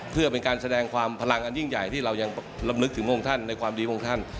เพื่อเป็นการแสดงความพลังอันยิ่งใหญ่ที่เรายังลำลึกถึงพระองค์ท่านในความดีของท่าน